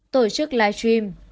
tổ chức live stream